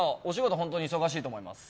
本当に忙しいと思います。